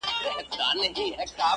• ځيني يې هنر بولي ډېر لوړ..